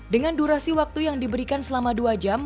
dengan durasi waktu yang diberikan selama dua jam